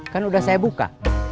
kan udah saya buka